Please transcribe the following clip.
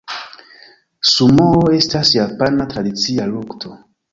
Sumoo estas japana tradicia lukto.